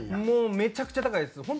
もうめちゃくちゃ高いです。